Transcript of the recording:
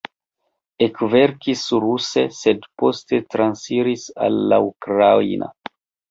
Ekverkis ruse, sed poste transiris al la ukraina.